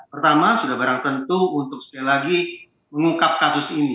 pertama sudah barang tentu untuk sekali lagi mengungkap kasus ini